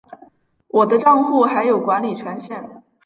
我的帐户还有管理权限